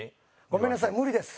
ごめんなさい無理です。